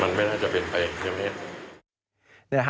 มันไม่น่าจะเป็นไป